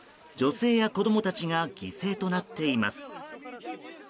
女性や子供たちが犠牲となっています。